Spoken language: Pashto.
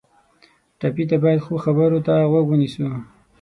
ټپي ته باید ښو خبرو ته غوږ ونیسو.